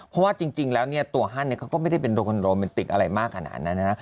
เพราะว่าจริงแล้วเนี่ยตัวฮั่นเขาก็ไม่ได้เป็นโดคอนโรแมนติกอะไรมากขนาดนั้นนะ